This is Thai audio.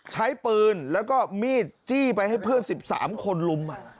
ใช้ปืนแล้วก็มีดจี้ไปให้เพื่อน๑๓คนลุม